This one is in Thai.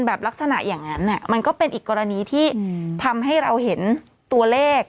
ลักษณะอย่างนั้นมันก็เป็นอีกกรณีที่ทำให้เราเห็นตัวเลข